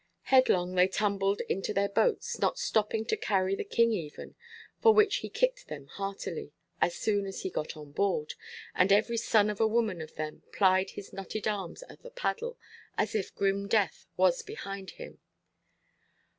Headlong they tumbled into their boats, not stopping to carry the king even, for which he kicked them heartily, as soon as he got on board, and every son of a woman of them plied his knotted arms at the paddle, as if grim Death was behind him.